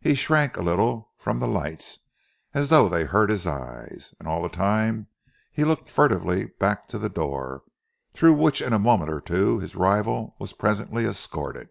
He shrank a little from the lights as though they hurt his eyes, and all the time he looked furtively back to the door, through which in a moment or two his rival was presently escorted.